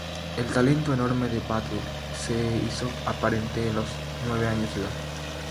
El talento enorme de Battle se hizo aparente a los nueve años de edad.